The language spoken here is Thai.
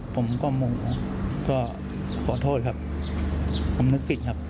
ผมก็โมโหก็ขอโทษครับสำนึกผิดครับ